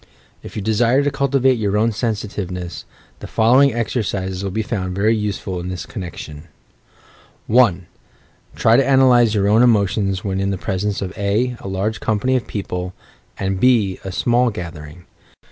If you desire to cultivate your own sensitiveness, the following exercises will be found very useful in this connection ; 1. Try to analyse your own emotions when in the presence of (a) a large company of people, and (b) a small gathering.